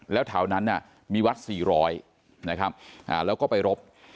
แล้วเท่านั้นมีวัด๔๐๐แล้วก็ไปรบ